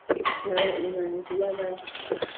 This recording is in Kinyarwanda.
Nkaba imanzi y’ abacu.